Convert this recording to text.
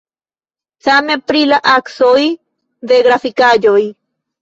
Same pri la aksoj de grafikaĵoj.